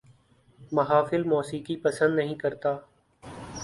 محافل موسیقی پسند نہیں کرتا